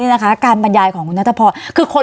นะคะการบรรยายของคุณนะเธอพอคือคน